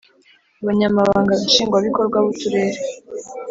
abanyamabanga nshingwabikorwa bu turere